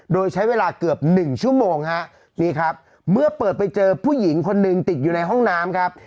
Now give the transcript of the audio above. โดยใช้เวลาเกือบหนึ่งชั่วโมงฮะนี่ครับเมื่อเปิดไปเจอผู้หญิงคนหนึ่งติดอยู่ในห้องน้ำครับ